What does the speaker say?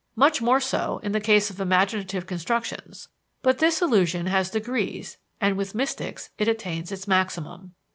Much more so, in the case of imaginative constructions. But this illusion has degrees, and with mystics it attains its maximum.